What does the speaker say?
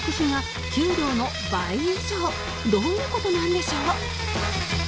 どういう事なんでしょう？